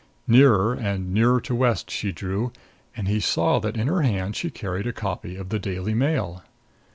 Nearer and nearer to West she drew, and he saw that in her hand she carried a copy of the Daily Mail.